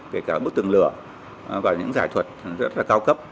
kể cả bức tường lửa và những giải thuật rất là cao cấp